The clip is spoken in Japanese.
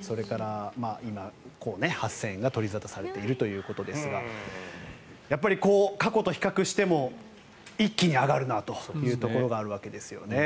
それから、今、８０００円が取り沙汰されているということですがやっぱり過去と比較しても一気に上がるなというところがあるわけですね。